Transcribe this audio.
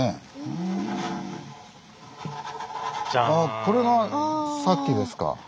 あこれがさっきですか。